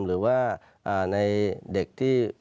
หรือว่าในเด็กที่